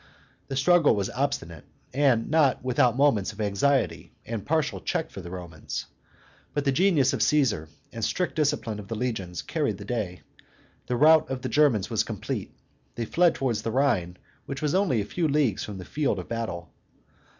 The struggle was obstinate, and not without moments of anxiety and partial check for the Romans; but the genius of Caesar and strict discipline of the legions carried the day. The rout of the Germans was complete; they fled towards the Rhine, which was only a few leagues from the field of battle.